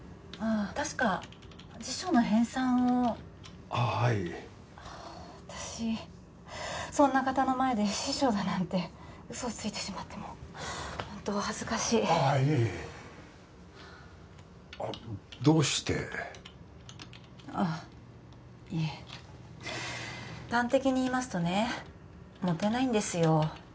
確か辞書の編纂をああはい私そんな方の前で司書だなんて嘘をついてしまってもうホントお恥ずかしいああいえいえあっどうしてあっいえ端的にいいますとねモテないんですよ